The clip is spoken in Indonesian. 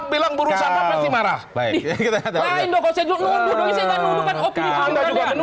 bilang buru sangka pasti marah